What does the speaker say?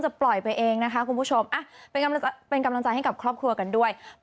ปล่อยไปเองนะคะคุณผู้ชมเป็นกำลังใจให้กับครอบครัวกันด้วย